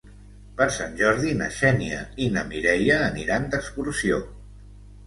Per Sant Jordi na Xènia i na Mireia aniran d'excursió.